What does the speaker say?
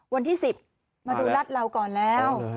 วันที่๑๐มาดูรัดเราก่อนแล้ว